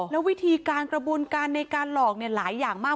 แล้ววิธีการกระบวนการในการหลอกหลายอย่างมาก